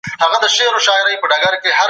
منطقي پیوستون د متن په مانا کي پټ دئ.